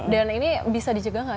dan ini bisa dijaga nggak